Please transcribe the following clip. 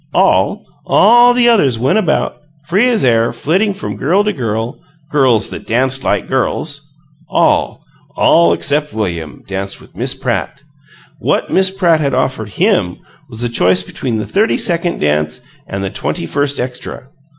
All, all the others went about, free as air, flitting from girl to girl girls that danced like girls! All, all except William, danced with Miss PRATT! What Miss Pratt had offered HIM was a choice between the thirty second dance and the twenty first extra.